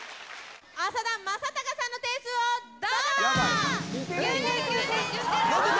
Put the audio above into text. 「朝田昌貴さんの点数をどうぞ」